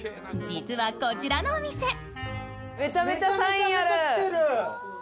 実はこちらのお店